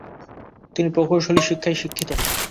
তিনি প্রকৌশলী শিক্ষায় শিক্ষিত।